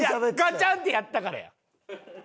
ガチャン！ってやったからや。